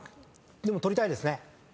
でも取りたいですね。